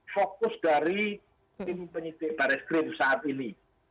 fokus dari tim penyidik baris krim saat ini